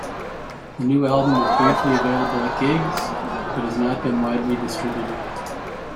The new album was briefly available at gigs, but has not been widely distributed.